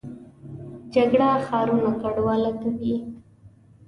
جګړه ښارونه کنډواله کوي